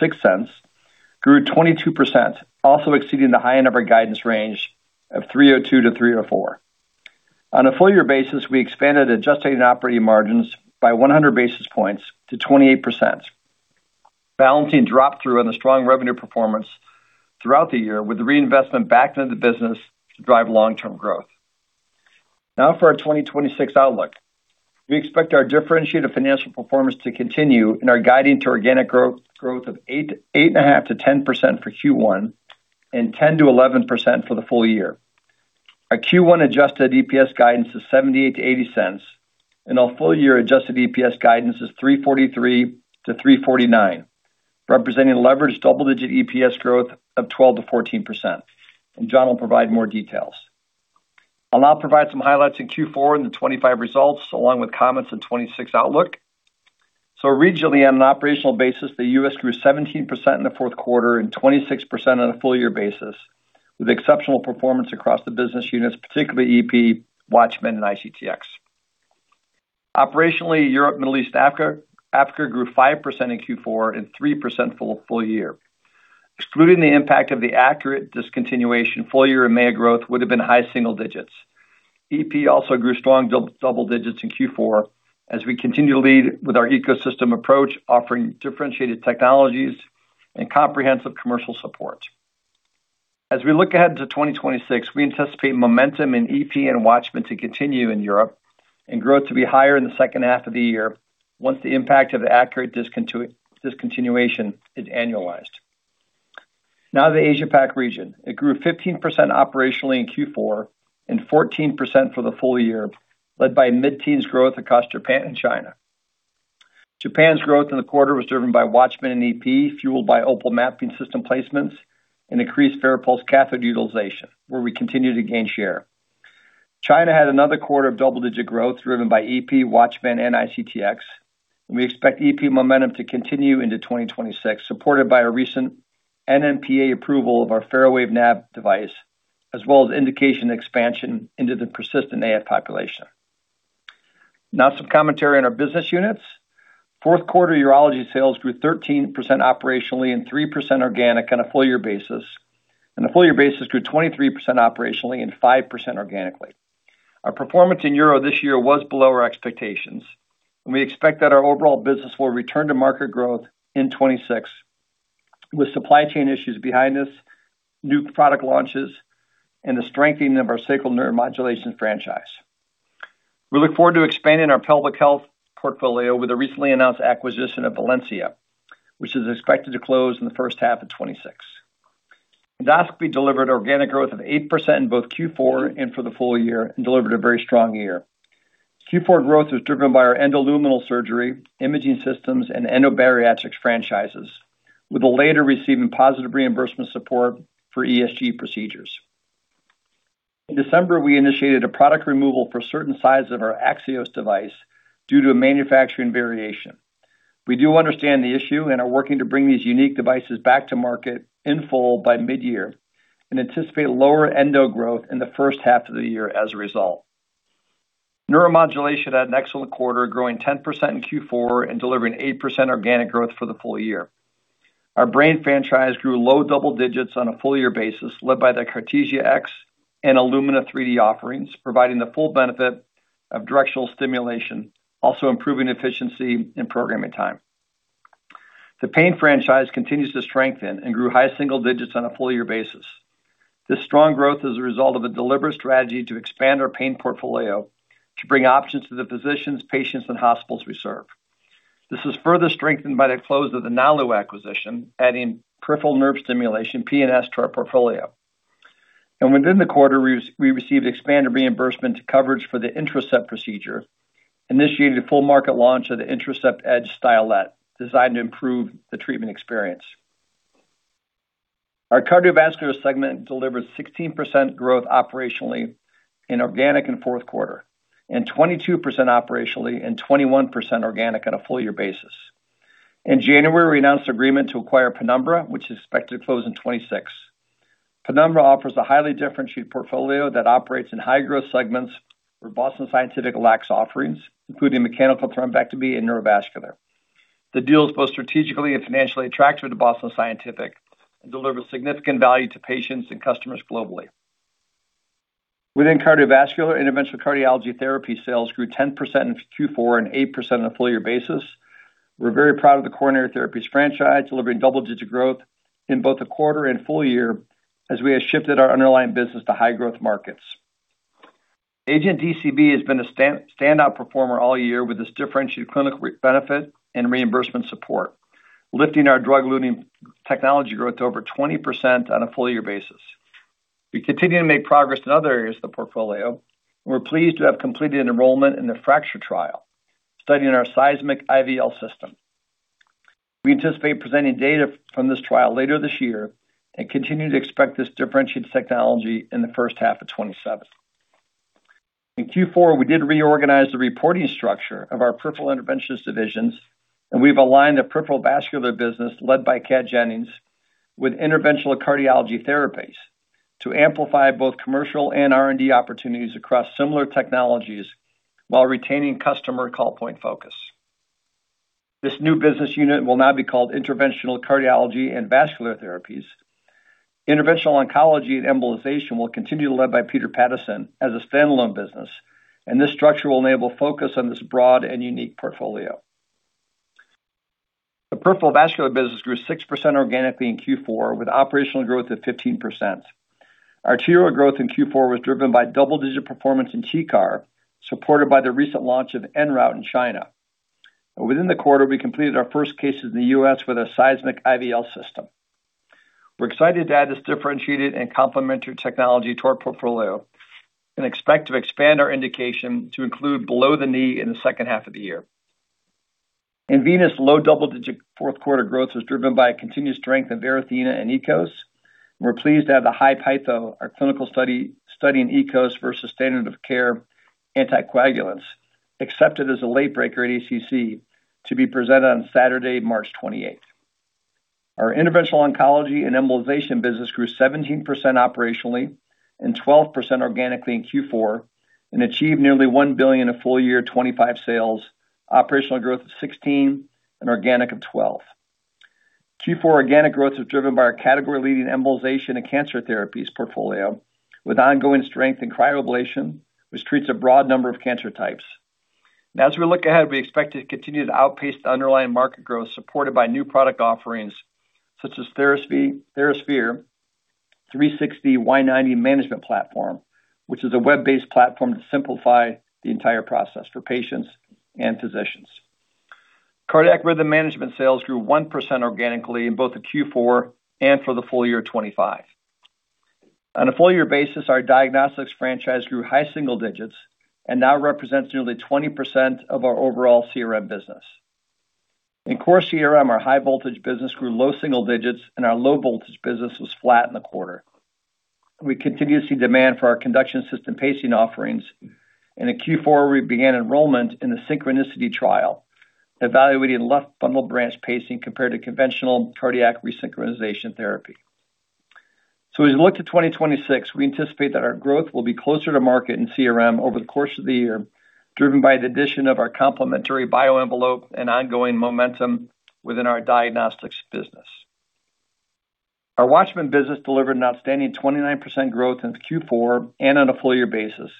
$0.06, grew 22%, also exceeding the high end of our guidance range of 302-304. On a full year basis, we expanded adjusted operating margins by 100 basis points to 28%, balancing drop through on the strong revenue performance throughout the year with the reinvestment back into the business to drive long-term growth. Now for our 2026 outlook. We expect our differentiated financial performance to continue and are guiding to organic growth of 8.5%-10% for Q1, and 10%-11% for the full year. Our Q1 adjusted EPS guidance is $0.78-$0.80, and our full year adjusted EPS guidance is $3.43-$3.49, representing leveraged double-digit EPS growth of 12%-14%, and John will provide more details. I'll now provide some highlights in Q4 and the 2025 results, along with comments on 2026 outlook. Regionally, on an operational basis, the U.S. grew 17% in the fourth quarter and 26% on a full year basis, with exceptional performance across the business units, particularly EP, Watchman and ICTX. Operationally, Europe, Middle East, Africa grew 5% in Q4 and 3% full year. Excluding the impact of the Acclarent discontinuation, full year MEA growth would have been high single digits. EP also grew strong double digits in Q4 as we continue to lead with our ecosystem approach, offering differentiated technologies and comprehensive commercial support. As we look ahead to 2026, we anticipate momentum in EP and Watchman to continue in Europe and growth to be higher in the second half of the year, once the impact of the acquisition discontinuation is annualized. Now, the Asia Pac region. It grew 15% operationally in Q4 and 14% for the full year, led by mid-teens growth across Japan and China. Japan's growth in the quarter was driven by Watchman and EP, fueled by Opal mapping system placements and increased Farapulse catheter utilization, where we continue to gain share. China had another quarter of double-digit growth, driven by EP, Watchman and ICTX, and we expect EP momentum to continue into 2026, supported by a recent NMPA approval of our Farawave Nav device, as well as indication expansion into the persistent AF population. Now, some commentary on our business units. Fourth quarter Urology sales grew 13% operationally and 3% organically on a full year basis, and a full year basis grew 23% operationally and 5% organically. Our performance in Urology this year was below our expectations, and we expect that our overall business will return to market growth in 2026, with supply chain issues behind us, new product launches, and the strengthening of our sacral neuromodulation franchise. We look forward to expanding our pelvic health portfolio with the recently announced acquisition of Valencia, which is expected to close in the first half of 2026. Endoscopy delivered organic growth of 8% in both Q4 and for the full year, and delivered a very strong year. Q4 growth was driven by our endoluminal surgery, imaging systems, and endobariatric franchises, with the latter receiving positive reimbursement support for ESG procedures. In December, we initiated a product removal for certain sizes of our Axios device due to a manufacturing variation. We do understand the issue and are working to bring these unique devices back to market in full by mid-year and anticipate lower endo growth in the first half of the year as a result. Neuromodulation had an excellent quarter, growing 10% in Q4 and delivering 8% organic growth for the full year. Our brain franchise grew low double digits on a full year basis, led by the Cartesia X and Illumina 3D offerings, providing the full benefit of directional stimulation, also improving efficiency and programming time. The pain franchise continues to strengthen and grew high single digits on a full year basis. This strong growth is a result of a deliberate strategy to expand our pain portfolio to bring options to the physicians, patients, and hospitals we serve. This is further strengthened by the close of the Nalu acquisition, adding peripheral nerve stimulation, PNS, to our portfolio. Within the quarter, we received expanded reimbursement coverage for the Intercept procedure, initiated a full market launch of the Intercept Edge stylet, designed to improve the treatment experience. Our cardiovascular segment delivered 16% growth operationally and organically in fourth quarter, and 22% operationally and 21% organic on a full year basis. In January, we announced an agreement to acquire the number, which is expected to close in 2026. The number offers a highly differentiated portfolio that operates in high-growth segments where Boston Scientific lacks offerings, including mechanical thrombectomy and neurovascular. The deal is both strategically and financially attractive to Boston Scientific and delivers significant value to patients and customers globally. Within cardiovascular, interventional cardiology therapy sales grew 10% in Q4 and 8% on a full year basis. We're very proud of the coronary therapies franchise, delivering double-digit growth in both the quarter and full year as we have shifted our underlying business to high growth markets. Agent DCB has been a standout performer all year with this differentiated clinical benefit and reimbursement support, lifting our drug eluting technology growth to over 20% on a full year basis. We continue to make progress in other areas of the portfolio, and we're pleased to have completed an enrollment in the fracture trial studying our Seismic IVL system. We anticipate presenting data from this trial later this year and continue to expect this differentiated technology in the first half of 2027. In Q4, we did reorganize the reporting structure of our peripheral interventions divisions, and we've aligned the peripheral vascular business, led by Catherine Jennings, with interventional cardiology therapies to amplify both commercial and R&D opportunities across similar technologies while retaining customer call point focus. This new business unit will now be called Interventional Cardiology and Vascular Therapies. Interventional Oncology and Embolization will continue to be led by Peter Pattison as a standalone business, and this structure will enable focus on this broad and unique portfolio. The peripheral vascular business grew 6% organically in Q4, with operational growth of 15%. Arterial growth in Q4 was driven by double-digit performance in T-CAR, supported by the recent launch of Enroute in China. Within the quarter, we completed our first cases in the US with a Shockwave IVL system. We're excited to add this differentiated and complementary technology to our portfolio and expect to expand our indication to include below the knee in the second half of the year. In venous, low double-digit fourth-quarter growth was driven by a continuous strength in VenaSeal and EKOS. We're pleased to have the HI-PEITHO, our clinical study, studying EKOS versus standard of care anticoagulants, accepted as a late breaker at ACC to be presented on Saturday, March twenty-eighth. Our interventional oncology and embolization business grew 17% operationally and 12% organically in Q4 and achieved nearly $1 billion in full-year 2025 sales, operational growth of 16% and organic of 12%. Q4 organic growth was driven by our category-leading embolization and cancer therapies portfolio, with ongoing strength in cryoablation, which treats a broad number of cancer types. As we look ahead, we expect to continue to outpace the underlying market growth, supported by new product offerings such as TheraSphere, 360 Y-90 management platform, which is a web-based platform to simplify the entire process for patients and physicians. Cardiac rhythm management sales grew 1% organically in both the Q4 and for the full year 2025. On a full year basis, our diagnostics franchise grew high single digits and now represents nearly 20% of our overall CRM business. In core CRM, our high voltage business grew low single digits and our low voltage business was flat in the quarter. We continue to see demand for our conduction system pacing offerings, and in Q4, we began enrollment in the Synchronicity trial, evaluating left bundle branch pacing compared to conventional cardiac resynchronization therapy. So as we look to 2026, we anticipate that our growth will be closer to market in CRM over the course of the year, driven by the addition of our complementary bioenvelope and ongoing momentum within our diagnostics business. Our Watchman business delivered an outstanding 29% growth in Q4 and on a full year basis,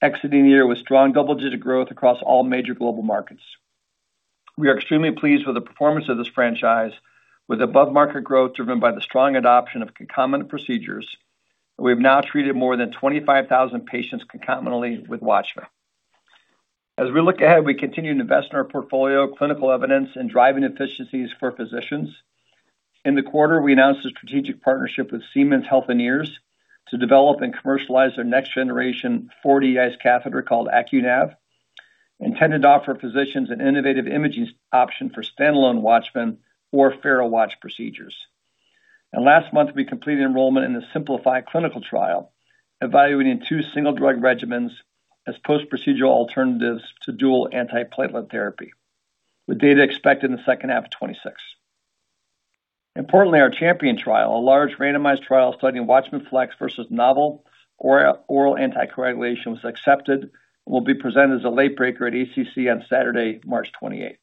exiting the year with strong double-digit growth across all major global markets. We are extremely pleased with the performance of this franchise, with above-market growth driven by the strong adoption of concomitant procedures. We have now treated more than 25,000 patients concomitantly with Watchman. As we look ahead, we continue to invest in our portfolio of clinical evidence and driving efficiencies for physicians. In the quarter, we announced a strategic partnership with Siemens Healthineers to develop and commercialize their next-generation 4D ICE catheter called AcuNav, intended to offer physicians an innovative imaging option for standalone Watchman or Farapulse procedures. And last month, we completed enrollment in the Simplify clinical trial, evaluating two single-drug regimens as post-procedural alternatives to dual antiplatelet therapy, with data expected in the second half of 2026. Importantly, our Champion trial, a large randomized trial studying Watchman Flex versus novel oral anticoagulation, was accepted and will be presented as a late breaker at ACC on Saturday, March 28th.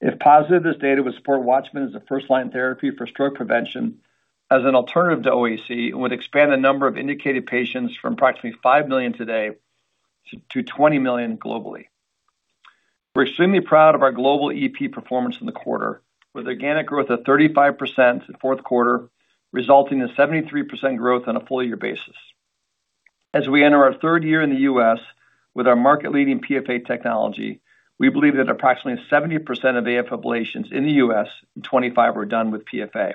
If positive, this data would support Watchman as a first-line therapy for stroke prevention as an alternative to OAC, and would expand the number of indicated patients from approximately 5 million today to 20 million globally. We're extremely proud of our global EP performance in the quarter, with organic growth of 35% in the fourth quarter, resulting in 73% growth on a full-year basis. As we enter our third year in the U.S. with our market-leading PFA technology, we believe that approximately 70% of AF ablations in the U.S. in 2025 were done with PFA,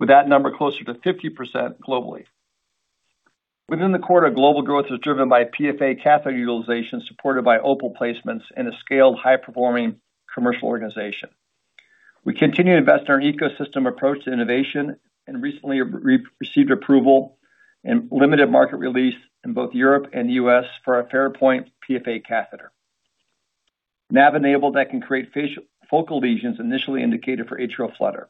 with that number closer to 50% globally. Within the quarter, global growth was driven by PFA catheter utilization, supported by Opal placements and a scaled, high-performing commercial organization. We continue to invest in our ecosystem approach to innovation and recently received approval and limited market release in both Europe and the US for our Farapulse PFA catheter, Nav-enabled, that can create focal lesions initially indicated for atrial flutter.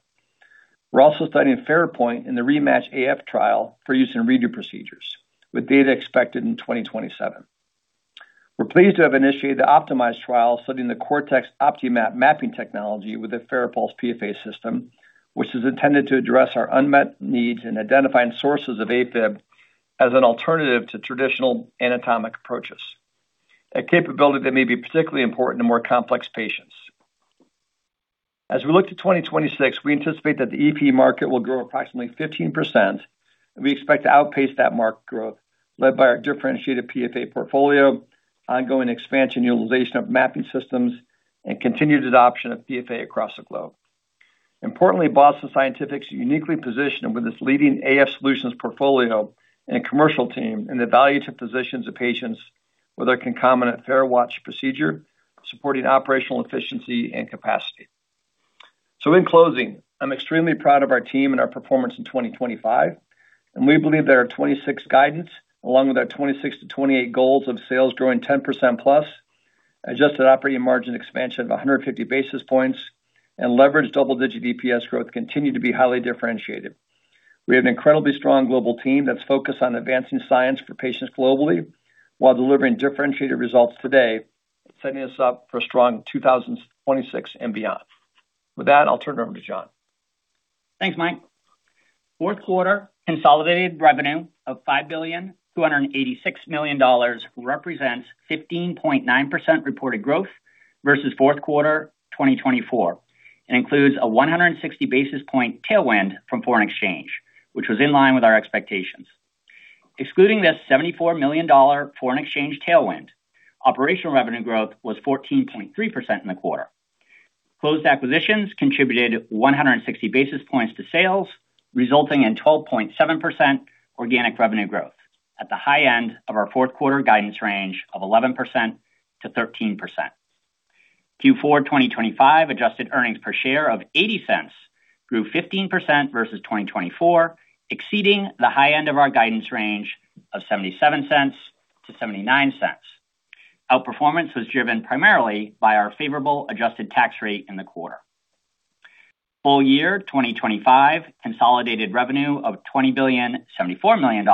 We're also studying Farapulse in the Rematch AF trial for use in redo procedures, with data expected in 2027. We're pleased to have initiated the optimized trial studying the Cortex OptiSnap mapping technology with the Farapulse PFA system, which is intended to address our unmet needs in identifying sources of AFib as an alternative to traditional anatomic approaches, a capability that may be particularly important to more complex patients. As we look to 2026, we anticipate that the EP market will grow approximately 15%, and we expect to outpace that market growth, led by our differentiated PFA portfolio, ongoing expansion and utilization of mapping systems, and continued adoption of PFA across the globe. Importantly, Boston Scientific is uniquely positioned with its leading AF solutions portfolio and commercial team in the value to physicians and patients with a concomitant Watchman procedure, supporting operational efficiency and capacity. So in closing, I'm extremely proud of our team and our performance in 2025, and we believe that our 2026 guidance, along with our 2026-2028 goals of sales growing 10%+... adjusted operating margin expansion of 150 basis points and leveraged double-digit EPS growth continue to be highly differentiated. We have an incredibly strong global team that's focused on advancing science for patients globally, while delivering differentiated results today, setting us up for a strong 2026 and beyond. With that, I'll turn it over to John. Thanks, Mike. Fourth quarter consolidated revenue of $5.286 billion represents 15.9% reported growth versus fourth quarter 2024, and includes a 160 basis point tailwind from foreign exchange, which was in line with our expectations. Excluding this $74 million foreign exchange tailwind, operational revenue growth was 14.3% in the quarter. Closed acquisitions contributed 160 basis points to sales, resulting in 12.7% organic revenue growth at the high end of our fourth quarter guidance range of 11%-13%. Q4 2025 adjusted earnings per share of $0.80 grew 15% versus 2024, exceeding the high end of our guidance range of $0.77-$0.79. Outperformance was driven primarily by our favorable adjusted tax rate in the quarter. Full year 2025 consolidated revenue of $20.074 billion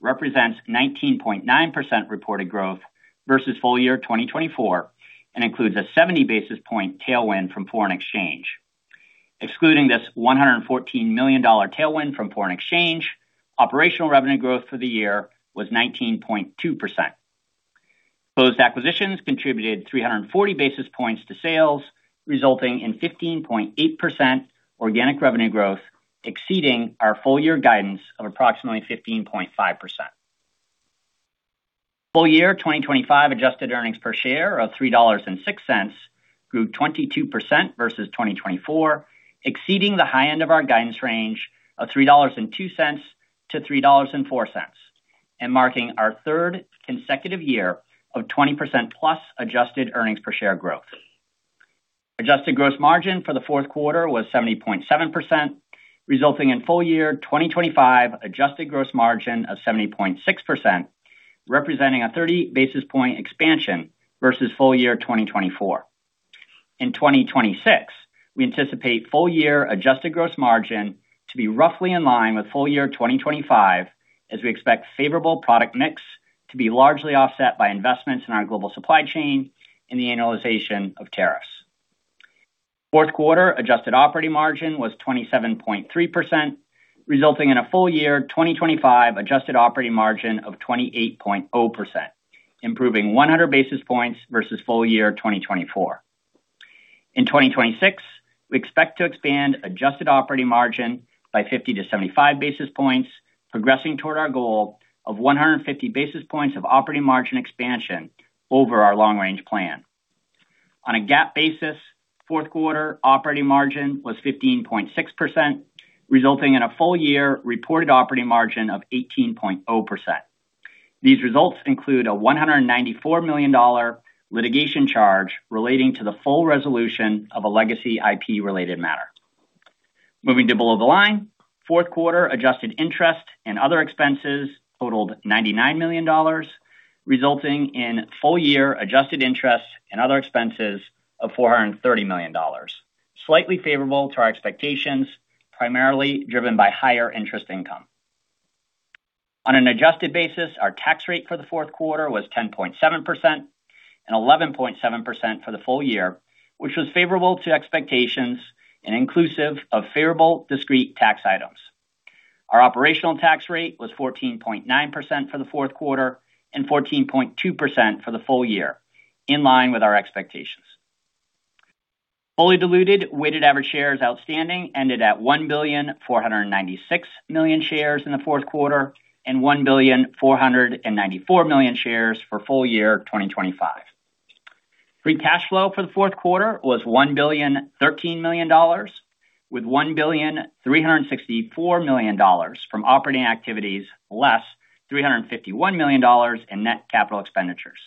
represents 19.9% reported growth versus full year 2024, and includes a 70 basis point tailwind from foreign exchange. Excluding this $114 million tailwind from foreign exchange, operational revenue growth for the year was 19.2%. Closed acquisitions contributed 340 basis points to sales, resulting in 15.8% organic revenue growth, exceeding our full year guidance of approximately 15.5%. Full year 2025 adjusted earnings per share of $3.06 grew 22% versus 2024, exceeding the high end of our guidance range of $3.02-$3.04, and marking our third consecutive year of 20%+ adjusted earnings per share growth. Adjusted gross margin for the fourth quarter was 70.7%, resulting in full year 2025 adjusted gross margin of 70.6%, representing a 30 basis point expansion versus full year 2024. In 2026, we anticipate full year adjusted gross margin to be roughly in line with full year 2025, as we expect favorable product mix to be largely offset by investments in our global supply chain and the annualization of tariffs. Fourth quarter adjusted operating margin was 27.3%, resulting in a full year 2025 adjusted operating margin of 28.0%, improving 100 basis points versus full year 2024. In 2026, we expect to expand adjusted operating margin by 50-75 basis points, progressing toward our goal of 150 basis points of operating margin expansion over our long-range plan. On a GAAP basis, fourth quarter operating margin was 15.6%, resulting in a full year reported operating margin of 18.0%. These results include a $194 million litigation charge relating to the full resolution of a legacy IP-related matter. Moving to below the line, fourth quarter adjusted interest and other expenses totaled $99 million, resulting in full year adjusted interest and other expenses of $430 million, slightly favorable to our expectations, primarily driven by higher interest income. On an adjusted basis, our tax rate for the fourth quarter was 10.7% and 11.7% for the full year, which was favorable to expectations and inclusive of favorable discrete tax items. Our operational tax rate was 14.9% for the fourth quarter and 14.2% for the full year, in line with our expectations. Fully diluted weighted average shares outstanding ended at 1,496 million shares in the fourth quarter and 1,494 million shares for full year 2025. Free cash flow for the fourth quarter was $1,013 million, with $1,364 million from operating activities, less $351 million in net capital expenditures.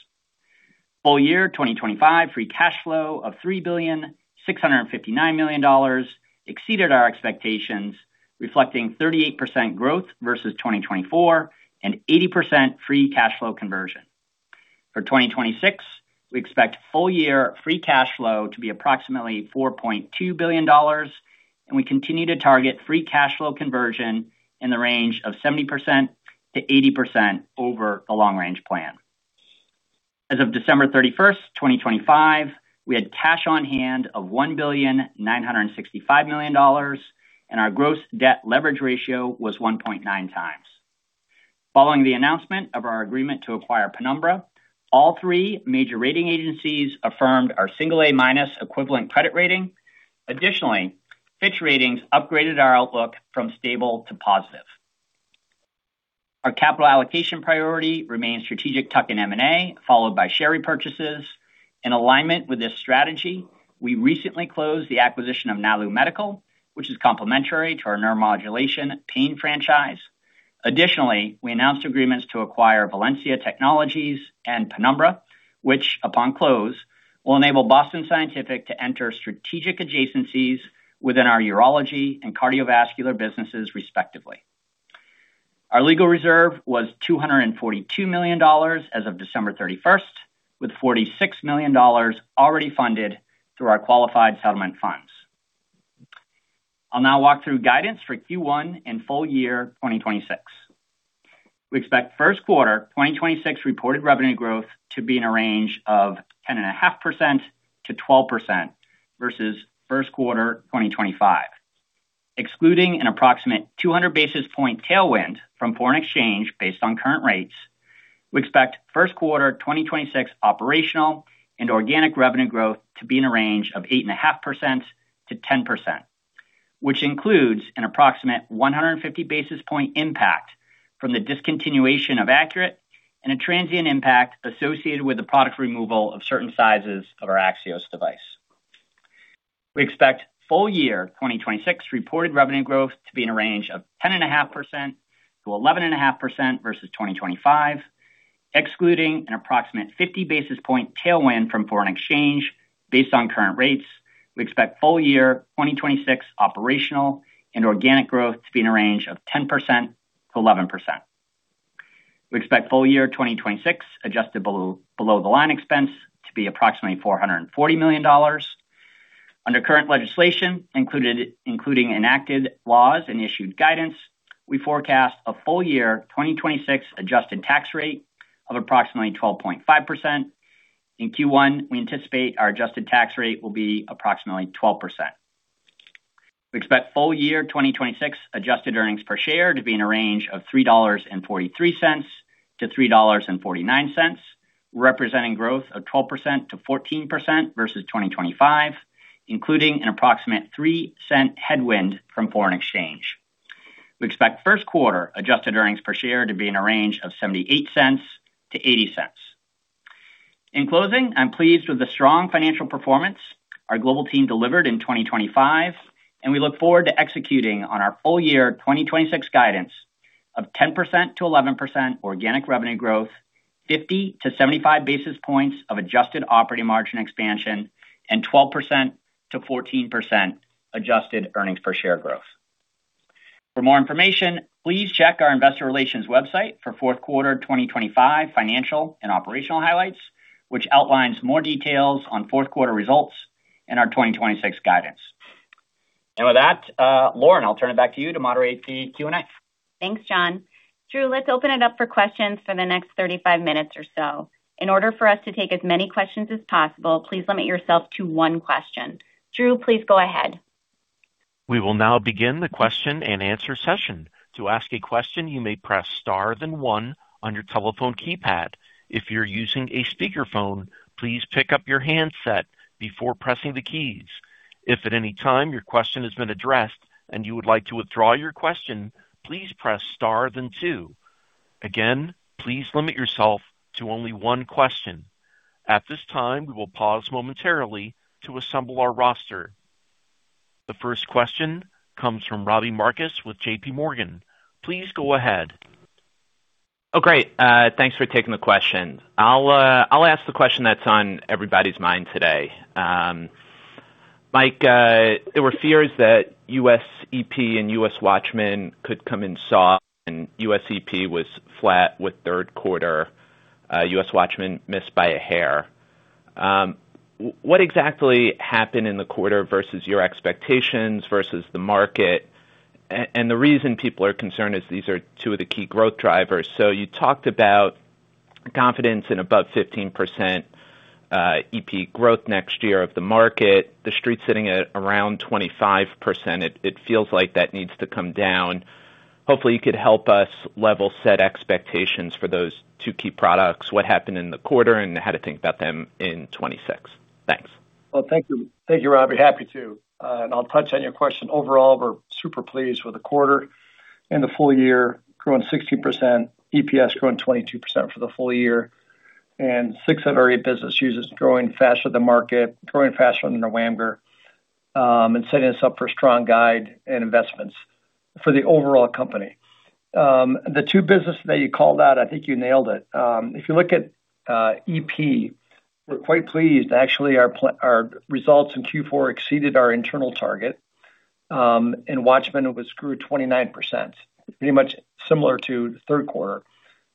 Full year 2025, free cash flow of $3,659 million exceeded our expectations, reflecting 38% growth versus 2024 and 80% free cash flow conversion. For 2026, we expect full-year free cash flow to be approximately $4.2 billion, and we continue to target free cash flow conversion in the range of 70%-80% over the long-range plan. As of December 31st, 2025, we had cash on hand of $1.965 billion, and our gross debt leverage ratio was 1.9 times. Following the announcement of our agreement to acquire Penumbra, all three major rating agencies affirmed our single-A minus equivalent credit rating. Additionally, Fitch Ratings upgraded our outlook from stable to positive. Our capital allocation priority remains strategic tuck-in M&A, followed by share repurchases. In alignment with this strategy, we recently closed the acquisition of Nalu Medical, which is complementary to our neuromodulation pain franchise. Additionally, we announced agreements to acquire Valencia Technologies and Penumbra, which, upon close, will enable Boston Scientific to enter strategic adjacencies within our urology and cardiovascular businesses, respectively. Our legal reserve was $242 million as of December 31st, with $46 million already funded through our qualified settlement funds. I'll now walk through guidance for Q1 and full year 2026. We expect first quarter 2026 reported revenue growth to be in a range of 10.5%-12% versus first quarter 2025, excluding an approximate 200 basis point tailwind from foreign exchange based on current rates. We expect first quarter 2026 operational and organic revenue growth to be in a range of 8.5%-10%, which includes an approximate 150 basis point impact from the discontinuation of Acclarent and a transient impact associated with the product removal of certain sizes of our Axios device. We expect full year 2026 reported revenue growth to be in a range of 10.5%-11.5% versus 2025, excluding an approximate 50 basis point tailwind from foreign exchange. Based on current rates, we expect full year 2026 operational and organic growth to be in a range of 10%-11%. We expect full year 2026 adjusted below-the-line expense to be approximately $440 million. Under current legislation, including enacted laws and issued guidance, we forecast a full-year 2026 adjusted tax rate of approximately 12.5%. In Q1, we anticipate our adjusted tax rate will be approximately 12%. We expect full-year 2026 adjusted earnings per share to be in a range of $3.43-$3.49, representing growth of 12%-14% versus 2025, including an approximate 3-cent headwind from foreign exchange. We expect first quarter adjusted earnings per share to be in a range of $0.78-$0.80. In closing, I'm pleased with the strong financial performance our global team delivered in 2025, and we look forward to executing on our full year 2026 guidance of 10%-11% organic revenue growth, 50-75 basis points of adjusted operating margin expansion, and 12%-14% adjusted earnings per share growth. For more information, please check our investor relations website for fourth quarter 2025 financial and operational highlights, which outlines more details on fourth quarter results and our 2026 guidance. With that, Lauren, I'll turn it back to you to moderate the Q&A. Thanks, John. Drew, let's open it up for questions for the next 35 minutes or so. In order for us to take as many questions as possible, please limit yourself to one question. Drew, please go ahead. We will now begin the question and answer session. To ask a question, you may press star then one on your telephone keypad. If you're using a speakerphone, please pick up your handset before pressing the keys. If at any time your question has been addressed and you would like to withdraw your question, please press star then two. Again, please limit yourself to only one question. At this time, we will pause momentarily to assemble our roster. The first question comes from Robbie Marcus with J.P. Morgan. Please go ahead. Oh, great, thanks for taking the question. I'll ask the question that's on everybody's mind today. Mike, there were fears that U.S. EP and U.S. Watchman could come in soft, and U.S. EP was flat in third quarter, U.S. Watchman missed by a hair. What exactly happened in the quarter versus your expectations, versus the market? And the reason people are concerned is these are two of the key growth drivers. So you talked about confidence in above 15% EP growth next year of the market, the Street sitting at around 25%. It feels like that needs to come down. Hopefully, you could help us level set expectations for those two key products, what happened in the quarter, and how to think about them in 2026. Thanks. Well, thank you. Thank you, Rob. Be happy to, and I'll touch on your question. Overall, we're super pleased with the quarter and the full year, growing 16%, EPS growing 22% for the full year, and six out of our eight business units growing faster than the market, growing faster than the overall, and setting us up for a strong guidance and investments for the overall company. The two businesses that you called out, I think you nailed it. If you look at EP, we're quite pleased. Actually, our results in Q4 exceeded our internal target, and Watchman grew 29%, pretty much similar to the third quarter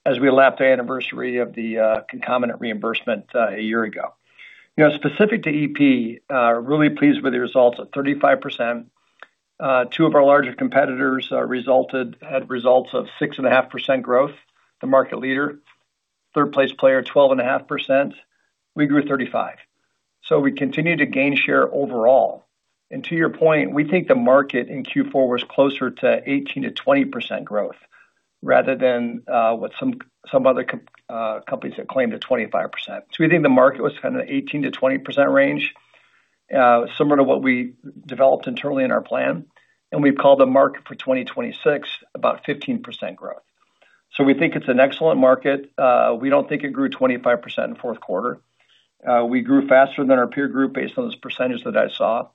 as we lapped the anniversary of the concomitant reimbursement a year ago. You know, specific to EP, really pleased with the results at 35%. Two of our larger competitors had results of 6.5% growth, the market leader, third-place player, 12.5%. We grew 35%, so we continue to gain share overall. To your point, we think the market in Q4 was closer to 18%-20% growth rather than what some other companies have claimed at 25%. So we think the market was kind of 18%-20% range, similar to what we developed internally in our plan, and we've called the market for 2026 at about 15% growth. So we think it's an excellent market. We don't think it grew 25% in the fourth quarter. We grew faster than our peer group based on those percentages that I saw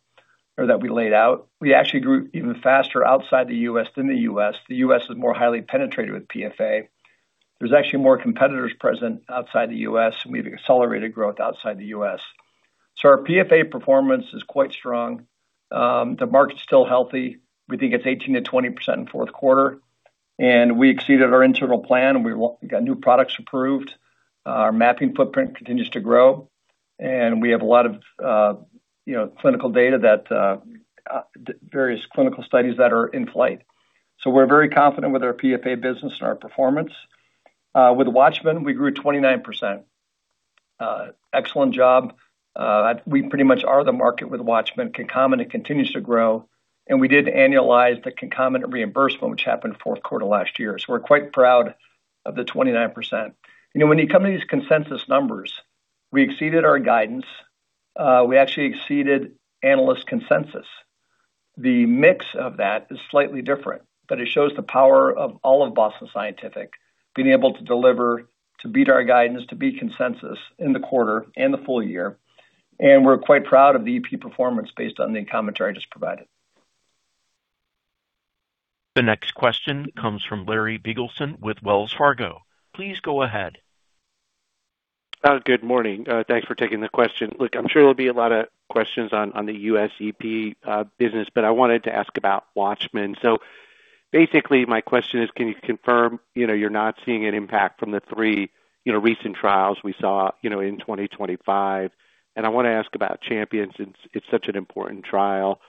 or that we laid out. We actually grew even faster outside the U.S. than the U.S. The U.S. is more highly penetrated with PFA. There's actually more competitors present outside the U.S., and we've accelerated growth outside the U.S. So our PFA performance is quite strong. The market's still healthy. We think it's 18%-20% in fourth quarter, and we exceeded our internal plan, and we got new products approved. Our mapping footprint continues to grow, and we have a lot of, you know, clinical data that various clinical studies that are in flight. So we're very confident with our PFA business and our performance. With Watchman, we grew 29%. Excellent job. We pretty much are the market with Watchman concomitant, it continues to grow, and we did annualize the concomitant reimbursement, which happened fourth quarter last year. We're quite proud of the 29%. You know, when you come to these consensus numbers, we exceeded our guidance. We actually exceeded analyst consensus. The mix of that is slightly different, but it shows the power of all of Boston Scientific being able to deliver, to beat our guidance, to beat consensus in the quarter and the full year. We're quite proud of the EP performance based on the commentary I just provided. The next question comes from Larry Biegelsen with Wells Fargo. Please go ahead. Good morning. Thanks for taking the question. Look, I'm sure there'll be a lot of questions on the USEP business, but I wanted to ask about Watchman. So basically, my question is, can you confirm, you know, you're not seeing an impact from the 3, you know, recent trials we saw, you know, in 2025? And I want to ask about Champion, since it's such an important trial.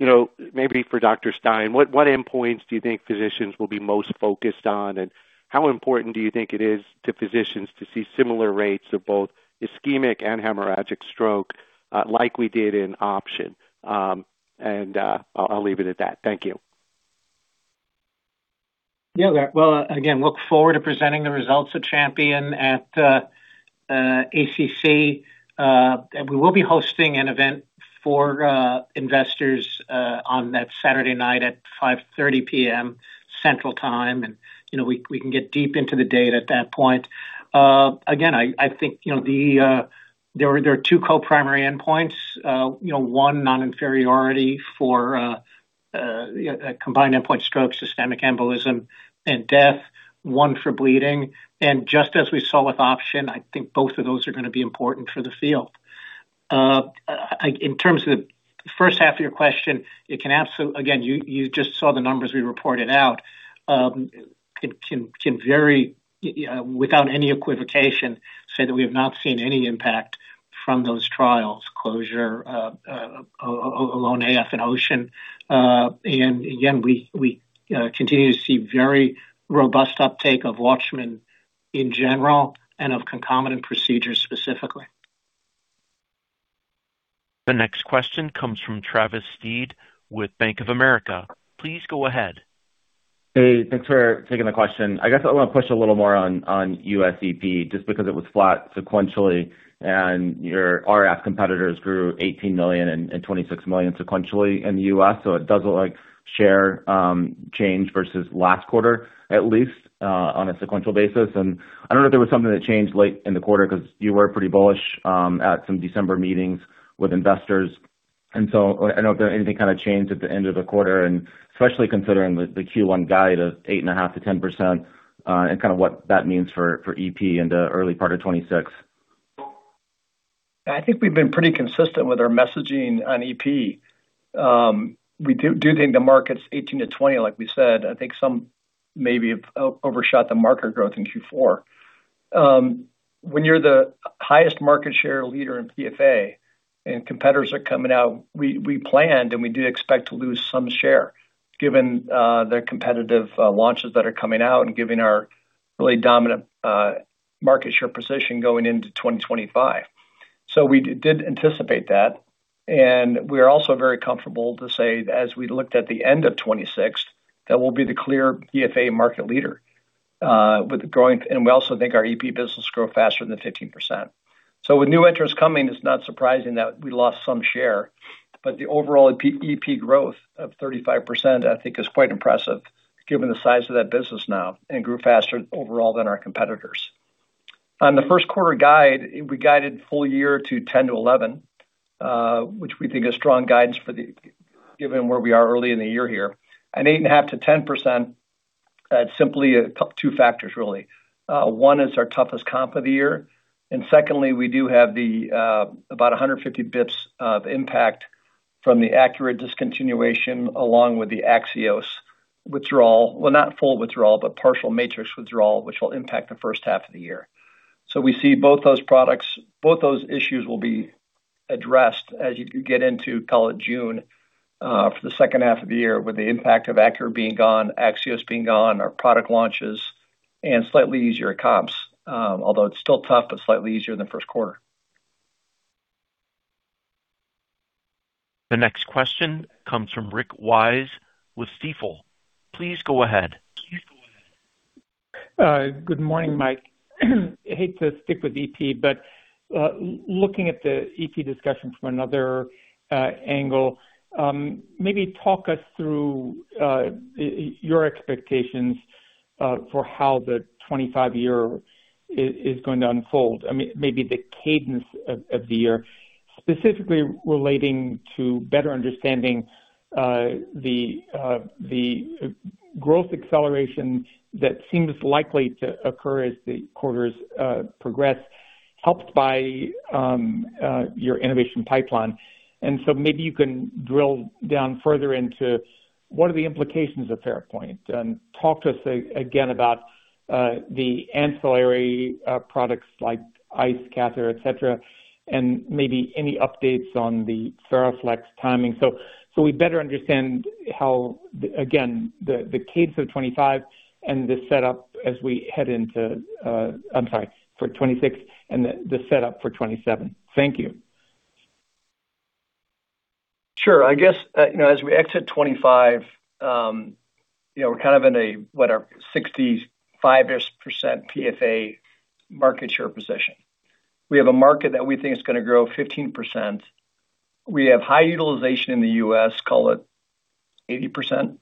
You know, maybe for Dr. Stein, what endpoints do you think physicians will be most focused on? And how important do you think it is to physicians to see similar rates of both ischemic and hemorrhagic stroke, like we did in Option? And, I'll leave it at that. Thank you. Yeah, well, again, look forward to presenting the results of Champion at the ACC. And we will be hosting an event for investors on that Saturday night at 5:30 P.M. Central Time, and you know, we can get deep into the data at that point. Again, I think, you know, there are two co-primary endpoints. You know, one, non-inferiority for a combined endpoint stroke, systemic embolism, and death. One, for bleeding. And just as we saw with Option, I think both of those are gonna be important for the field. In terms of the first half of your question, it can absolutely, again, you just saw the numbers we reported out. Can very without any equivocation say that we have not seen any impact from those trials, CLOSURE-AF, AF and Ocean. And again, we continue to see very robust uptake of Watchman in general and of concomitant procedures, specifically. The next question comes from Travis Steed with Bank of America. Please go ahead. Hey, thanks for taking the question. I guess I want to push a little more on USEP, just because it was flat sequentially, and your RF competitors grew $18 million and $26 million sequentially in the US. So it doesn't look like share change versus last quarter, at least, on a sequential basis. And I don't know if there was something that changed late in the quarter because you were pretty bullish at some December meetings with investors. And so I don't know if anything kinda changed at the end of the quarter, and especially considering the Q1 guide of 8.5%-10%, and kinda what that means for EP in the early part of 2026. I think we've been pretty consistent with our messaging on EP. We do think the market's 18-20, like we said. I think some maybe have overshot the market growth in Q4. When you're the highest market share leader in PFA and competitors are coming out, we planned, and we do expect to lose some share, given the competitive launches that are coming out and given our really dominant market share position going into 2025. So we did anticipate that, and we are also very comfortable to say, as we looked at the end of 2026, that we'll be the clear PFA market leader with growing... And we also think our EP business will grow faster than 15%. With new entrants coming, it's not surprising that we lost some share, but the overall EP, EP growth of 35%, I think, is quite impressive given the size of that business now, and grew faster overall than our competitors. On the first quarter guide, we guided full year to 10%-11%, which we think is strong guidance for the—given where we are early in the year here. And 8.5-10%, it's simply two factors, really. One is our toughest comp of the year, and secondly, we do have the about 150 basis points of impact from the Accurate discontinuation, along with the Axios withdrawal. Well, not full withdrawal, but partial Matrix withdrawal, which will impact the first half of the year. So we see both those issues will be addressed as you do get into, call it June, for the second half of the year, with the impact of Acura being gone, Axios being gone, our product launches and slightly easier comps. Although it's still tough, but slightly easier than the first quarter. The next question comes from Rick Wise with Stifel. Please go ahead. Good morning, Mike. I hate to stick with EP, but looking at the EP discussion from another angle, maybe talk us through your expectations for how the 2025 year is going to unfold. I mean, maybe the cadence of the year... specifically relating to better understanding the growth acceleration that seems likely to occur as the quarters progress, helped by your innovation pipeline. And so maybe you can drill down further into what are the implications of Farapulse, and talk to us, again, about the ancillary products like ICE catheter, et cetera, and maybe any updates on the FaraFlex timing. So we better understand how, again, the case of 2025 and the setup as we head into, I'm sorry, for 2026 and the setup for 2027. Thank you. Sure. I guess, you know, as we exit 2025, you know, we're kind of in a, what, a 65-ish% PFA market share position. We have a market that we think is going to grow 15%. We have high utilization in the US, call it 80%-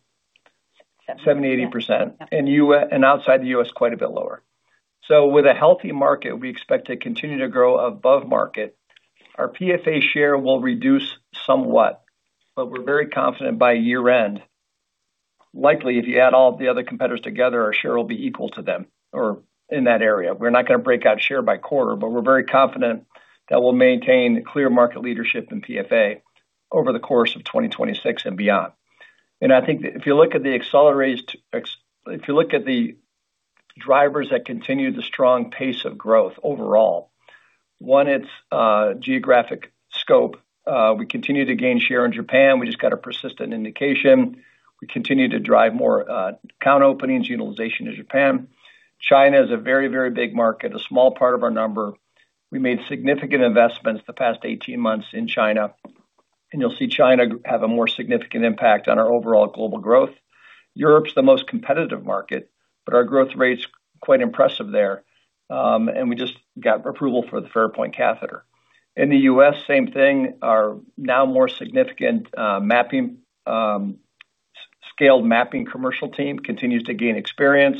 70%-80%, and US and outside the US, quite a bit lower. So with a healthy market, we expect to continue to grow above market. Our PFA share will reduce somewhat, but we're very confident by year-end, likely, if you add all the other competitors together, our share will be equal to them or in that area. We're not going to break out share by quarter, but we're very confident that we'll maintain clear market leadership in PFA over the course of 2026 and beyond. I think if you look at the drivers that continue the strong pace of growth overall, one, it's geographic scope. We continue to gain share in Japan. We just got a persistent indication. We continue to drive more account openings, utilization in Japan. China is a very, very big market, a small part of our number. We made significant investments the past 18 months in China, and you'll see China have a more significant impact on our overall global growth. Europe's the most competitive market, but our growth rate's quite impressive there, and we just got approval for the Farapulse catheter. In the US, same thing. Our now more significant, scaled mapping commercial team continues to gain experience,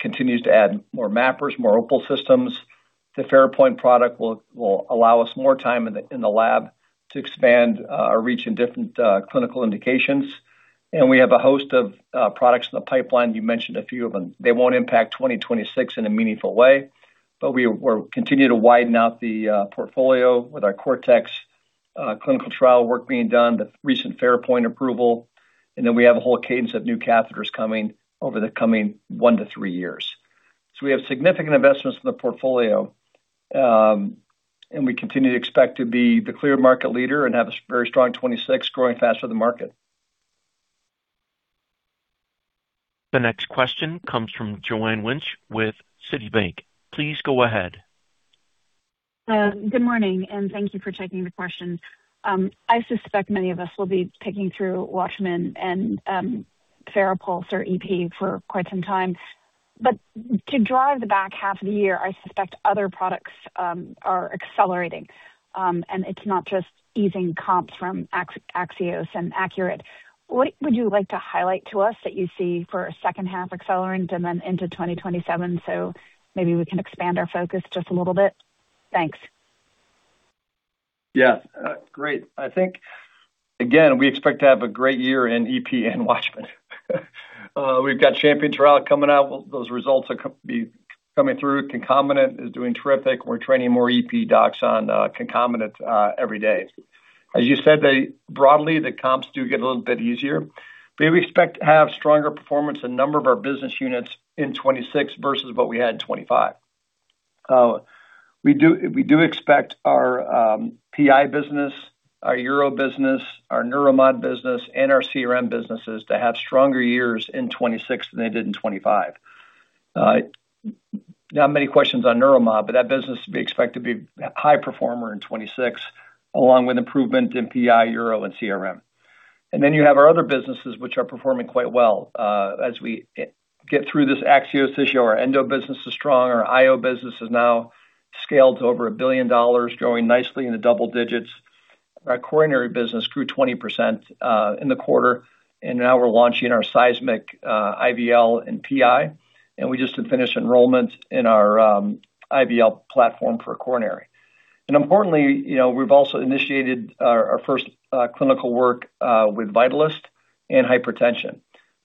continues to add more mappers, more Opal systems. The Farapulse product will allow us more time in the lab to expand our reach in different clinical indications. And we have a host of products in the pipeline. You mentioned a few of them. They won't impact 2026 in a meaningful way, but we're continuing to widen out the portfolio with our Cortex clinical trial work being done, the recent Farapulse approval, and then we have a whole cadence of new catheters coming over the coming 1-3 years. So we have significant investments in the portfolio, and we continue to expect to be the clear market leader and have a very strong 2026, growing faster than the market. The next question comes from Joanne Lynch with Citibank. Please go ahead. Good morning, and thank you for taking the question. I suspect many of us will be picking through Watchman and Farapulse or EP for quite some time. But to drive the back half of the year, I suspect other products are accelerating, and it's not just easing comps from Axios and Accurate. What would you like to highlight to us that you see for a second half accelerating and then into 2027, so maybe we can expand our focus just a little bit? Thanks. Yeah, great. I think, again, we expect to have a great year in EP and Watchman. We've got Champion trial coming out. Those results are coming through. Concomitant is doing terrific. We're training more EP docs on concomitant every day. As you said, they, broadly, the comps do get a little bit easier, but we expect to have stronger performance in a number of our business units in 2026 versus what we had in 2025. We do, we do expect our PI business, our Euro business, our Neuromod business, and our CRM businesses to have stronger years in 2026 than they did in 2025. Not many questions on Neuromod, but that business, we expect to be high performer in 2026, along with improvement in PI, Euro, and CRM. And then you have our other businesses, which are performing quite well. As we get through this Axios issue, our Endo business is strong, our IO business is now scaled to over $1 billion, growing nicely in the double digits. Our coronary business grew 20% in the quarter, and now we're launching our Symplicity, IBL and PI, and we just had finished enrollment in our IBL platform for coronary. And importantly, you know, we've also initiated our first clinical work with Vessix and hypertension.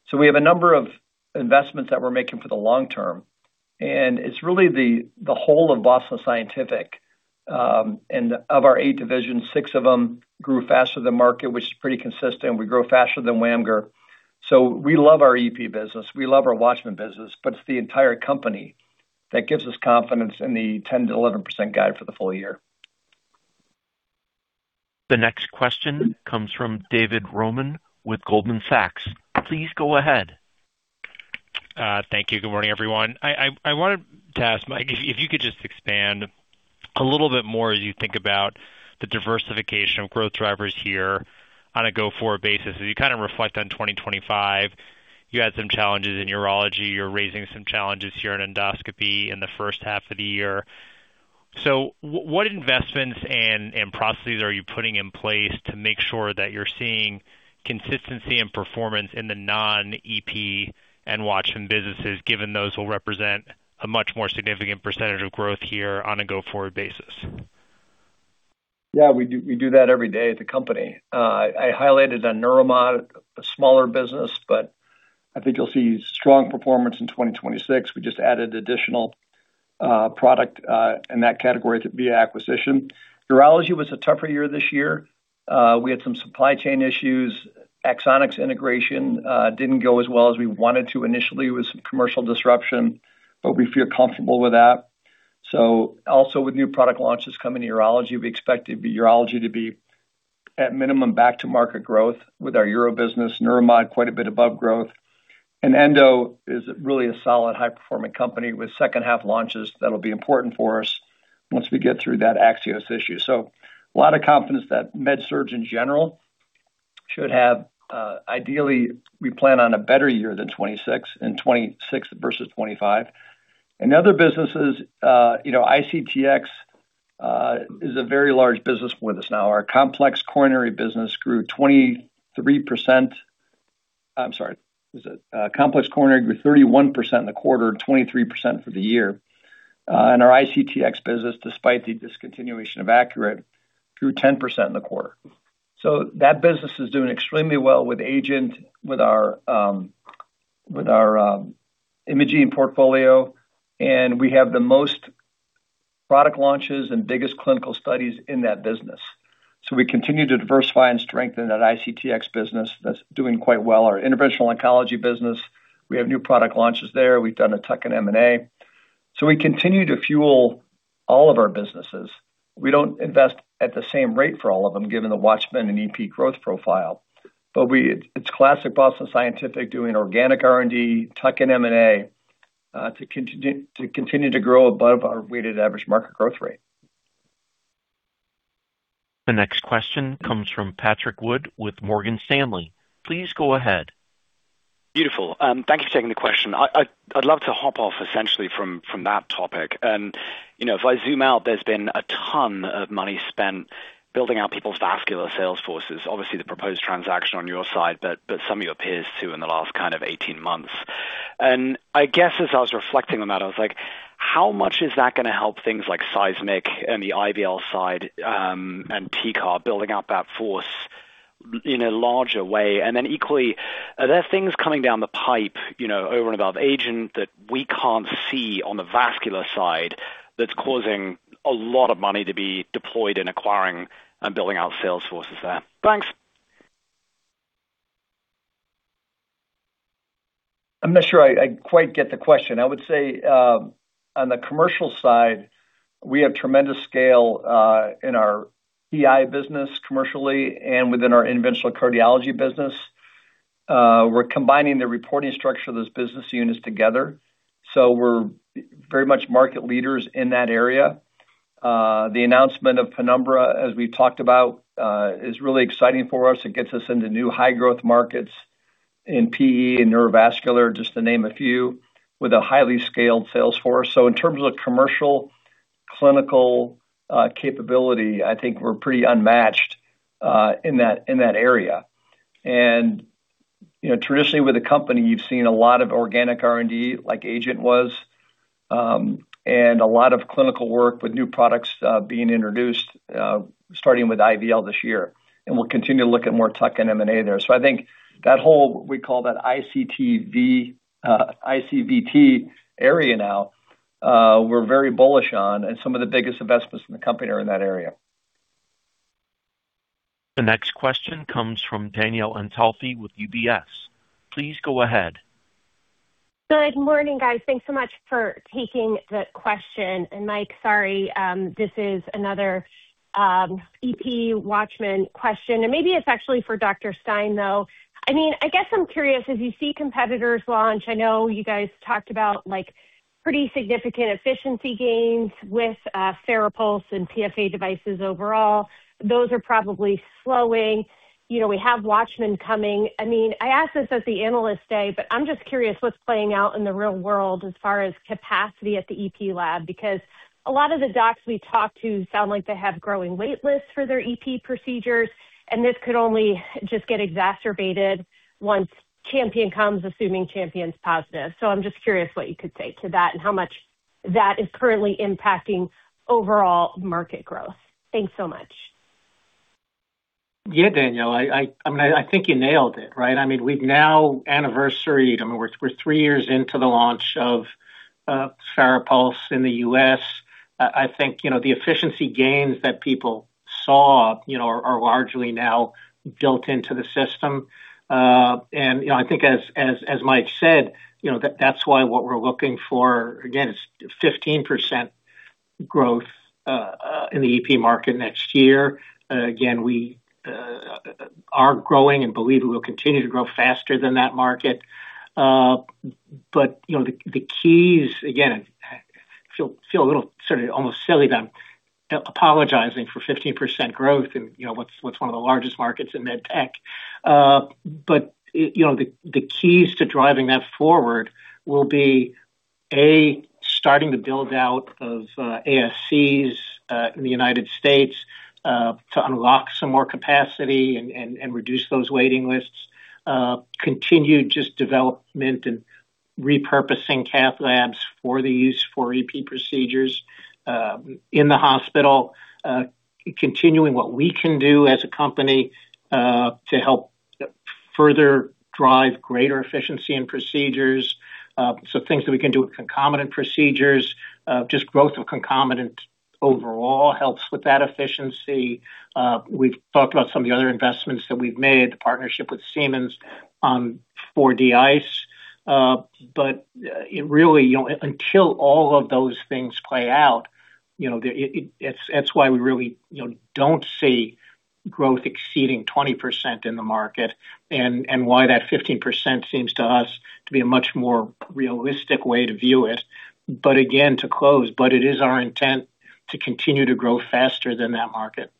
So we have a number of investments that we're making for the long term, and it's really the whole of Boston Scientific. And of our 8 divisions, 6 of them grew faster than market, which is pretty consistent. We grew faster than the market. We love our EP business, we love our Watchman business, but it's the entire company that gives us confidence in the 10%-11% guide for the full year. The next question comes from David Roman with Goldman Sachs. Please go ahead. Thank you. Good morning, everyone. I wanted to ask, Mike, if you could just expand a little bit more as you think about the diversification of growth drivers here on a go-forward basis. As you kind of reflect on 2025, you had some challenges in urology, you're raising some challenges here in endoscopy in the first half of the year. So what investments and processes are you putting in place to make sure that you're seeing consistency and performance in the non-EP and Watchman businesses, given those will represent a much more significant percentage of growth here on a go-forward basis? ...Yeah, we do, we do that every day at the company. I highlighted the Neuromod, a smaller business, but I think you'll see strong performance in 2026. We just added additional product in that category via acquisition. Urology was a tougher year this year. We had some supply chain issues. Axonics integration didn't go as well as we wanted to initially with some commercial disruption, but we feel comfortable with that. So also with new product launches coming to urology, we expect urology to be at minimum, back to market growth with our uro business. Neuromod, quite a bit above growth, and Endo is really a solid, high-performing company with second half launches. That'll be important for us once we get through that Axios issue. So a lot of confidence that MedSurg in general should have. Ideally, we plan on a better year than 2026, in 2026 versus 2025. In other businesses, you know, ICTX is a very large business for us now. Our complex coronary business grew 23%. I'm sorry, complex coronary grew 31% in the quarter, 23% for the year. And our ICTX business, despite the discontinuation of accurate, grew 10% in the quarter. So that business is doing extremely well with agent, with our, with our, imaging portfolio, and we have the most product launches and biggest clinical studies in that business. So we continue to diversify and strengthen that ICTX business that's doing quite well. Our interventional oncology business, we have new product launches there. We've done a tuck-in M&A. So we continue to fuel all of our businesses. We don't invest at the same rate for all of them, given the Watchman and EP growth profile. But it's classic Boston Scientific doing organic R&D, tuck-in M&A, to continue to grow above our weighted average market growth rate. The next question comes from Patrick Wood with Morgan Stanley. Please go ahead. Beautiful. Thank you for taking the question. I'd love to hop off essentially from that topic. You know, if I zoom out, there's been a ton of money spent building out people's vascular sales forces. Obviously, the proposed transaction on your side, but some of your peers, too, in the last kind of 18 months. And I guess as I was reflecting on that, I was like: How much is that gonna help things like seismic and the IBL side, and TCAR, building out that force in a larger way? And then equally, are there things coming down the pipe, you know, over and above agent, that we can't see on the vascular side, that's causing a lot of money to be deployed in acquiring and building out sales forces there? Thanks. I'm not sure I quite get the question. I would say on the commercial side, we have tremendous scale in our EI business commercially and within our interventional cardiology business. We're combining the reporting structure of those business units together, so we're very much market leaders in that area. The announcement of Penumbra, as we talked about, is really exciting for us. It gets us into new high growth markets in PE and neurovascular, just to name a few, with a highly scaled sales force. So in terms of commercial, clinical capability, I think we're pretty unmatched in that, in that area. And traditionally, with the company, you've seen a lot of organic R&D, like Agent was, and a lot of clinical work with new products being introduced starting with IVL this year. We'll continue to look at more tuck-in M&A there. I think that whole, we call that ICTV, ICVT area now, we're very bullish on, and some of the biggest investments in the company are in that area. The next question comes from Danielle Antalffy with UBS. Please go ahead. Good morning, guys. Thanks so much for taking the question. And Mike, sorry, this is another EP Watchman question, and maybe it's actually for Dr. Stein, though. I mean, I guess I'm curious, as you see competitors launch, I know you guys talked about, like, pretty significant efficiency gains with Farapulse and PFA devices overall. Those are probably slowing. You know, we have Watchman coming. I mean, I asked this at the Analyst Day, but I'm just curious what's playing out in the real world as far as capacity at the EP lab, because a lot of the docs we talk to sound like they have growing wait lists for their EP procedures, and this could only just get exacerbated once Champion comes, assuming Champion's positive. So I'm just curious what you could say to that and how much that is currently impacting overall market growth. Thanks so much. Yeah, Danielle, I mean, I think you nailed it, right? I mean, we've now anniversaried, I mean, we're three years into the launch of Farapulse in the U.S. I think, you know, the efficiency gains that people saw, you know, are largely now built into the system. And, you know, I think as Mike said, you know, that's why what we're looking for, again, is 15% growth in the EP market next year. Again, we are growing and believe we will continue to grow faster than that market. But, you know, the keys, again, feel a little sort of almost silly that I'm apologizing for 15% growth in, you know, what's one of the largest markets in med tech. But, you know, the keys to driving that forward will be, A, starting the build-out of ASCs in the United States to unlock some more capacity and reduce those waiting lists. Continued just development and repurposing cath labs for the use for EP procedures in the hospital. Continuing what we can do as a company to help further drive greater efficiency in procedures. So things that we can do with concomitant procedures, just growth of concomitant overall helps with that efficiency. We've talked about some of the other investments that we've made, the partnership with Siemens for the ICE. But it really, you know, until all of those things play out, you know, that's why we really, you know, don't see growth exceeding 20% in the market, and why that 15% seems to us to be a much more realistic way to view it. But again, to close, but it is our intent to continue to grow faster than that market.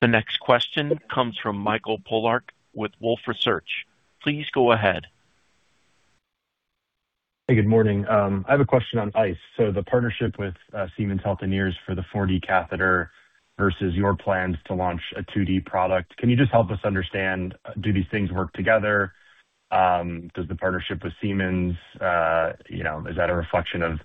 The next question comes from Michael Polark with Wolfe Research. Please go ahead. Hey, good morning. I have a question on ICE. So the partnership with, Siemens Healthineers for the 4D catheter versus your plans to launch a 2D product, can you just help us understand, do these things work together? Does the partnership with Siemens, you know, is that a reflection of,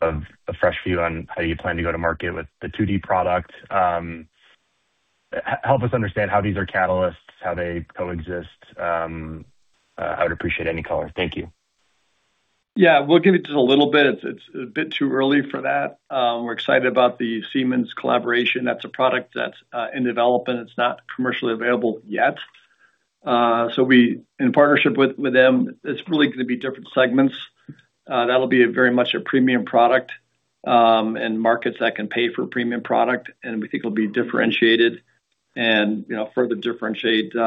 of a fresh view on how you plan to go to market with the 2D product? Help us understand how these are catalysts, how they coexist. I would appreciate any color. Thank you. Yeah, we'll give it just a little bit. It's a bit too early for that. We're excited about the Siemens collaboration. That's a product that's in development. It's not commercially available yet. So in partnership with them, it's really going to be different segments. That'll be very much a premium product, and markets that can pay for a premium product, and we think it'll be differentiated and, you know, further differentiate, you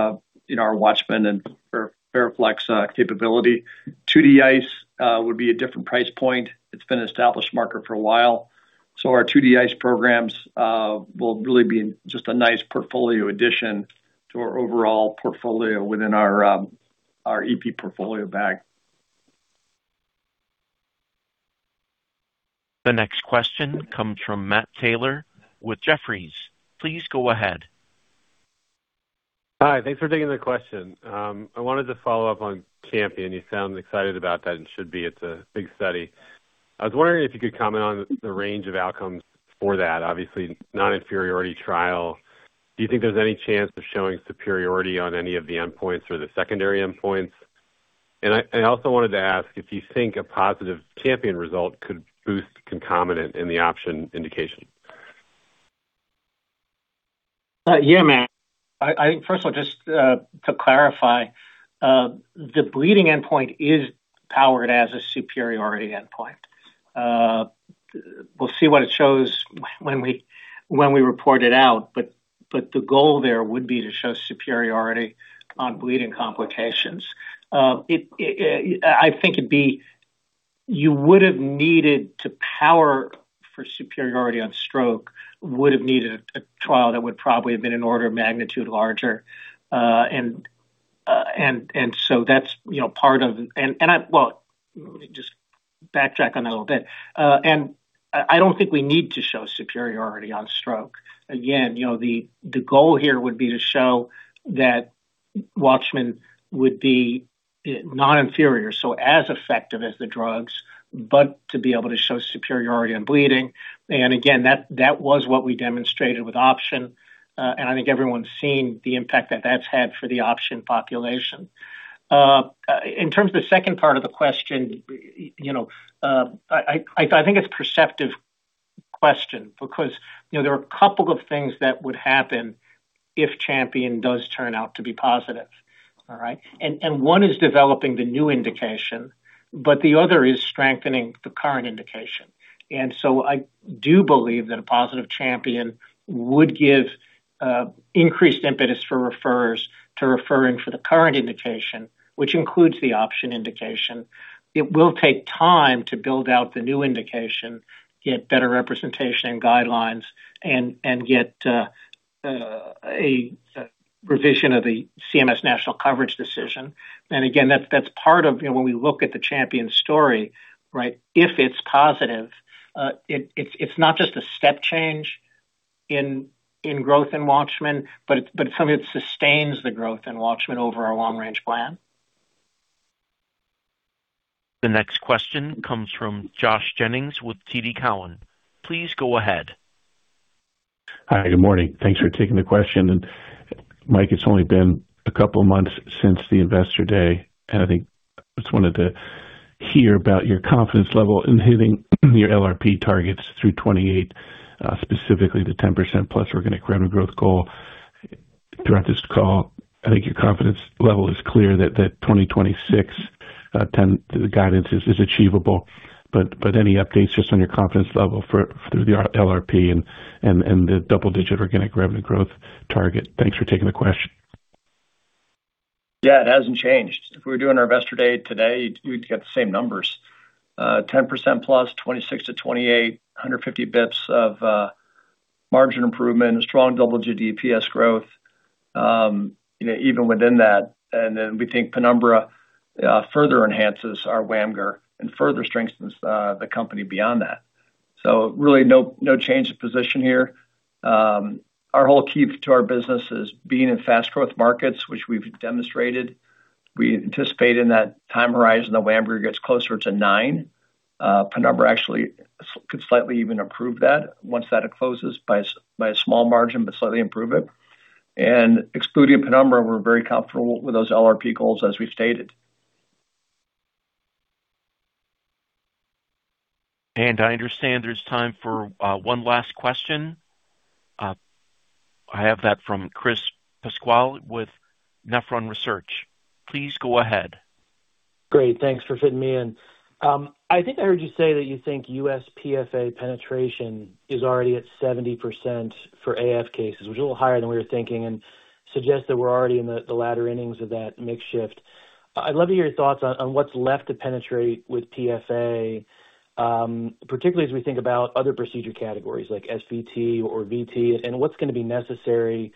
know, our Watchman and our Era Flex capability. 2D ICE would be a different price point. It's been an established market for a while, so our 2D ICE programs will really be just a nice portfolio addition to our overall portfolio within our our EP portfolio bag. The next question comes from Matt Taylor with Jefferies. Please go ahead. Hi, thanks for taking the question. I wanted to follow up on Champion. You sound excited about that and should be. It's a big study. I was wondering if you could comment on the range of outcomes for that. Obviously, non-inferiority trial. Do you think there's any chance of showing superiority on any of the endpoints or the secondary endpoints? And I also wanted to ask if you think a positive Champion result could boost concomitant in the option indication. Yeah, Matt. I first of all, just to clarify, the bleeding endpoint is powered as a superiority endpoint. We'll see what it shows when we report it out, but the goal there would be to show superiority on bleeding complications. I think it'd be... You would have needed to power for superiority on stroke, would have needed a trial that would probably have been an order of magnitude larger. And so that's, you know, part of- and I- well, let me just backtrack on that a little bit. And I don't think we need to show superiority on stroke. Again, you know, the goal here would be to show that Watchman would be non-inferior, so as effective as the drugs, but to be able to show superiority on bleeding. And again, that was what we demonstrated with Option. And I think everyone's seen the impact that that's had for the Option population. In terms of the second part of the question, you know, I think it's a perceptive question, because, you know, there are a couple of things that would happen if Champion does turn out to be positive. All right? And one is developing the new indication, but the other is strengthening the current indication. And so I do believe that a positive Champion would give increased impetus for referrers to referring for the current indication, which includes the Option indication. It will take time to build out the new indication, get better representation and guidelines and get a revision of the CMS national coverage decision. And again, that's part of, you know, when we look at the Champion story, right? If it's positive, it, it's not just a step change in growth in Watchman, but it sort of sustains the growth in Watchman over our long-range plan. The next question comes from Josh Jennings with TD Cowen. Please go ahead. Hi, good morning. Thanks for taking the question. And Mike, it's only been a couple of months since the Investor Day, and I think I just wanted to hear about your confidence level in hitting your LRP targets through 2028, specifically the 10%+ organic revenue growth goal. Throughout this call, I think your confidence level is clear that 2026, the 10- guidance is achievable. But any updates just on your confidence level for through the LRP and the double-digit organic revenue growth target? Thanks for taking the question. Yeah, it hasn't changed. If we were doing our Investor Day today, we'd get the same numbers. Ten percent plus, 26-28, 150 basis points of margin improvement, strong double-digit EPS growth, you know, even within that. We think Penumbra further enhances our WAMGR and further strengthens the company beyond that. Really, no, no change of position here. Our whole key to our business is being in fast growth markets, which we've demonstrated. We anticipate in that time horizon, that Wamberg gets closer to 9. Penumbra actually could slightly even improve that once that closes by a small margin, but slightly improve it. Excluding Penumbra, we're very comfortable with those LRP goals as we've stated. I understand there's time for one last question. I have that from Chris Pasquale with Nephron Research. Please go ahead. Great, thanks for fitting me in. I think I heard you say that you think US PFA penetration is already at 70% for AF cases, which is a little higher than we were thinking, and suggests that we're already in the latter innings of that mix shift. I'd love to hear your thoughts on what's left to penetrate with PFA, particularly as we think about other procedure categories like SVT or VT, and what's gonna be necessary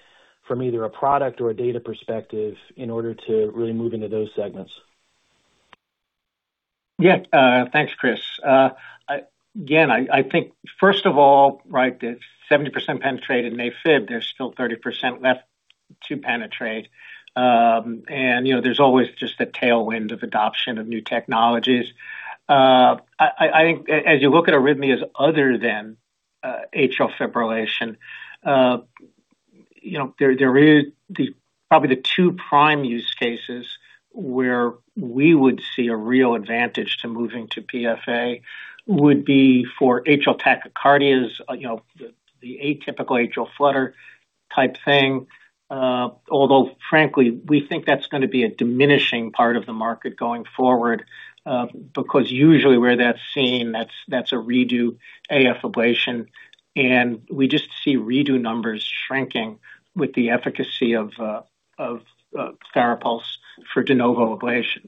from either a product or a data perspective in order to really move into those segments? Yeah, thanks, Chris. I again think first of all, right, if 70% penetrated in AFib, there's still 30% left to penetrate. And, you know, there's always just the tailwind of adoption of new technologies. I think as you look at arrhythmias other than atrial fibrillation, you know, there is the... Probably the 2 prime use cases where we would see a real advantage to moving to PFA would be for atrial tachycardias, you know, the atypical atrial flutter type thing. Although frankly, we think that's gonna be a diminishing part of the market going forward, because usually where that's seen, that's a redo AF ablation, and we just see redo numbers shrinking with the efficacy of Farapulse for de novo ablation.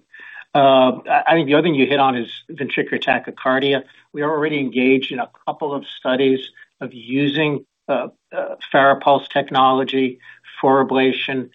I think the other thing you hit on is ventricular tachycardia. We are already engaged in a couple of studies of using Farapulse technology for ablation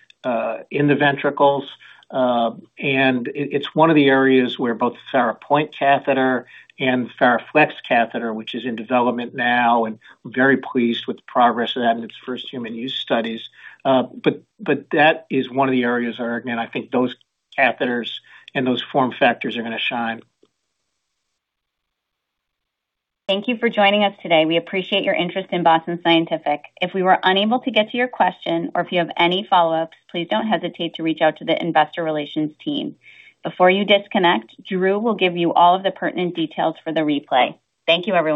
in the ventricles. And it's one of the areas where both Farapoint catheter and Faraflex catheter, which is in development now, and we're very pleased with the progress of that in its first human use studies. But that is one of the areas where, again, I think those catheters and those form factors are gonna shine. Thank you for joining us today. We appreciate your interest in Boston Scientific. If we were unable to get to your question or if you have any follow-ups, please don't hesitate to reach out to the investor relations team. Before you disconnect, Drew will give you all of the pertinent details for the replay. Thank you, everyone.